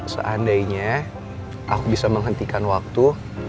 seandainya aku bisa menghentikan waktu